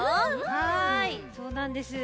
はいそうなんです。